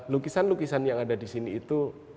lukisan lukisan yang ada disini itu